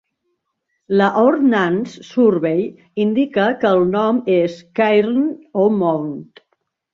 La Ordnance Survey indica que el nom és Cairn o' Mount.